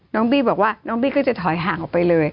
บี้บอกว่าน้องบี้ก็จะถอยห่างออกไปเลย